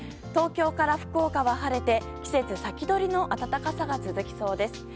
東京から福岡は晴れて季節先取りの暖かさが続きそうです。